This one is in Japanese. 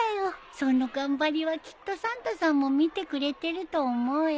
その頑張りはきっとサンタさんも見てくれてると思うよ。